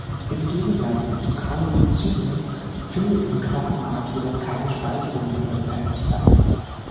Im Gegensatz zu Granulozyten findet im Knochenmark jedoch keine Speicherung dieser Zellen statt.